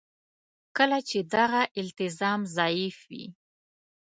کله چې دغه التزام ضعیف وي.